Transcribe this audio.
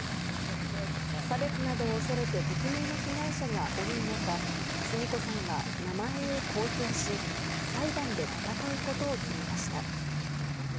差別などを恐れて、匿名の被害者が多い中、スミ子さんは名前を公表し、裁判で闘うことを決めました。